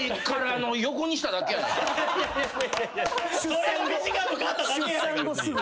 それを短く刈っただけやないか！